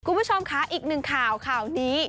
คุณผู้ชมค่ะอีกหนึ่งข่าวข่าวนี้